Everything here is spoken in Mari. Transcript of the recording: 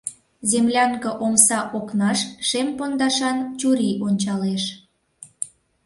Землянке омса окнаш шем пондашан чурий ончалеш.